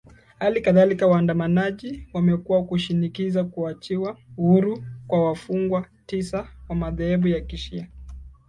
hali kadhalika waandamanaji wamekuwa kushinikiza kuachiwa uhuru kwa wafungwa tisa wa madhehebu ya kishia